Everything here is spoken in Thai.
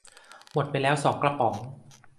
หมดไปแล้วสองกระป๋อง